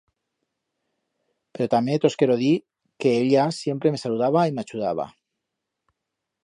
Pero tamé tos quero dir que ella sempre me saludaba y m'achudaba.